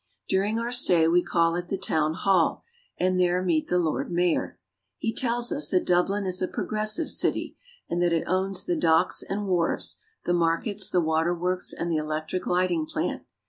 During our stay we call at the Town Hall and there meet the Lord Mayor. He tells us that Dublin is a pro gressive city and that it owns the docks and wharves, the markets, the waterworks, and the electric lighting plant.